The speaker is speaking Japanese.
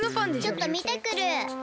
ちょっとみてくる。